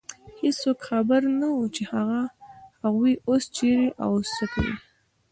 هېڅوک خبر نه و، چې هغوی اوس چېرې او څه کوي.